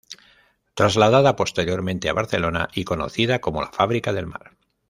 Trasladada posteriormente a Barcelona y conocida como la Fábrica del Mar.